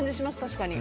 確かに。